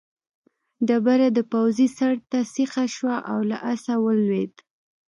ډبره د پوځي سر ته سیخه شوه او له آسه ولوېد.